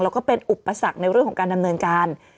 แล้วก็เป็นอุปสรรคในเรื่องของการดำเนินการ